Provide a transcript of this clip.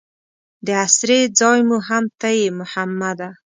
د اسرې ځای مو هم ته یې محمده.